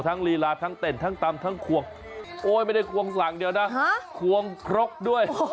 ลีลาทั้งเต้นทั้งตำทั้งควงโอ๊ยไม่ได้ควงสั่งเดียวนะควงครกด้วย